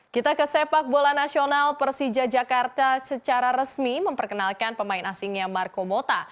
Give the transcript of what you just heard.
kita ke sepak bola nasional persija jakarta secara resmi memperkenalkan pemain asingnya marco mota